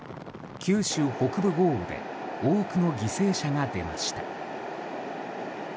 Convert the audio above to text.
九州北部豪雨で多くの犠牲者が出ました。